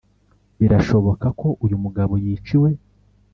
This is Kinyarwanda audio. birashoboka ko uyu mugabo yiciwe.